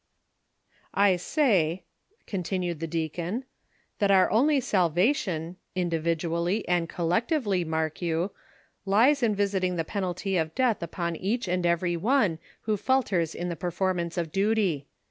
" I say," continued tlie deacon, " that our only salvation, individually and collectively, mark you, lies in visiting the 9 130 THE SOCIAL WAR OF 1900 ; OR, penalty of death upon ^ach and every one who falters in the performance of duty.